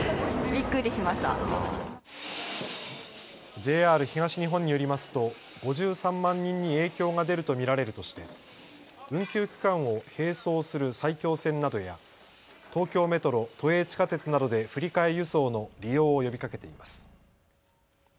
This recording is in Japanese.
ＪＲ東日本によりますと５３万人に影響が出ると見られるとして運休区間を並走する埼京線などや東京メトロ、都営地下鉄などで振り替え輸送の利用を呼びかけています。